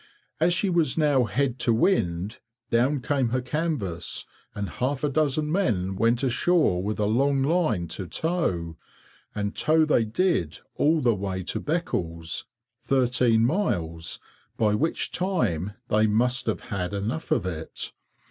As she was now head to wind, down came her canvas, and half a dozen men went ashore with a long line to tow, and tow they did all the way to Beccles, 13 miles, by which time they must have had enough of it.